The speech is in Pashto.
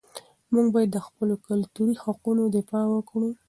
موږ باید د خپلو کلتوري حقوقو دفاع وکړو.